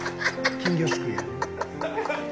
金魚すくい。